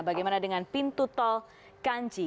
bagaimana dengan pintu tol kanci